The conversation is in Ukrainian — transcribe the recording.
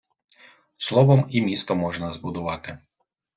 Словом і місто можна збудувати.